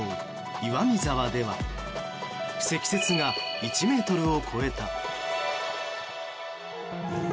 岩見沢では積雪が１ｍを超えた。